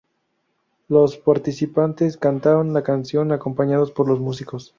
Los participantes cantan la canción acompañados por los músicos.